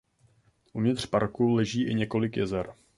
Uvnitř parku leží i několik jezer.